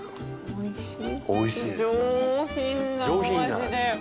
おいしい。